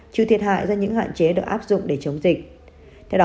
trừ thiệt hại do những hạn chế được áp dụng để chống dịch